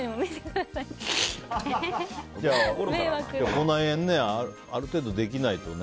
口内炎、ある程度できないとね。